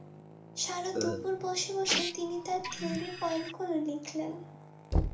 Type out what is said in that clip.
সারা দুপুর বসে বসে তিনি তাঁর থিওরির পয়েন্টগুলো লিখলেন।